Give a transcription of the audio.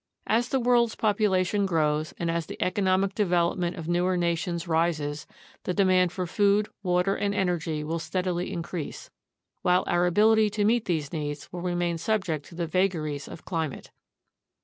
As the world's population grows and as the economic development of newer nations rises, the demand for food, water, and energy will steadily increase, while our ability to meet these needs will remain sub ject to the vagaries of climate.